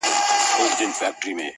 د نامحرمو دلالانو غدۍ!!